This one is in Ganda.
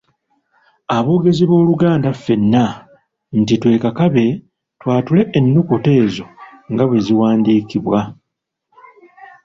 Aboogezi b’Oluganda ffenna, nti twekakabe twatule ennukuta ezo nga bwe ziwandiikibwa.